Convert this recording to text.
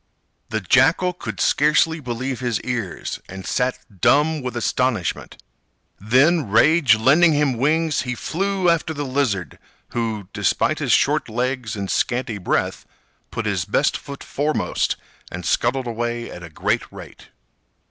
The Jackal could scarcely believe his ears, and sat dumb with astonishment. Then, rage lending him wings, he flew after the Lizard, who, despite his short legs and scanty breath, put his best foot foremost, and scuttled away at a great rate.